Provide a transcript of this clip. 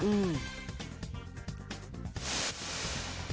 อืม